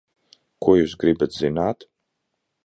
Ko jūs gribat zināt?